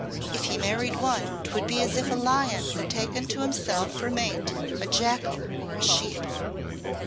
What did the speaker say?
If he married one, 'twould be as if a lion had taken to himself for mate a jackal or a sheep.